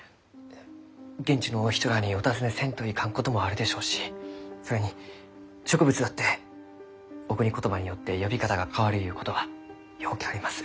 現地のお人らあにお尋ねせんといかんこともあるでしょうしそれに植物だっておくに言葉によって呼び方が変わるゆうことはようけあります。